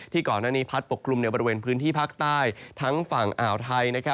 ก่อนหน้านี้พัดปกคลุมในบริเวณพื้นที่ภาคใต้ทั้งฝั่งอ่าวไทย